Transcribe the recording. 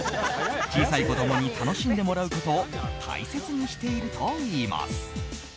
小さい子供に楽しんでもらうことを大切にしているといいます。